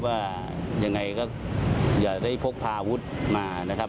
ว่ายังไงก็อย่าได้พกพาอาวุธมานะครับ